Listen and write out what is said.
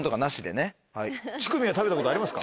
チュクミは食べたことありますか？